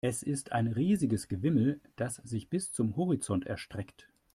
Es ist ein riesiges Gewimmel, das sich bis zum Horizont erstreckt.